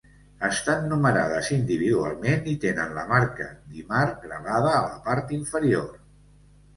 Estan numerades individualment i tenen la "marca d'Imar" gravada a la part inferior.